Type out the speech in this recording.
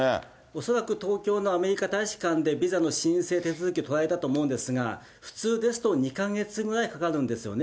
恐らく東京のアメリカ大使館で、ビザの申請手続きを取られたと思うんですが、普通ですと２か月ぐらいかかるんですよね。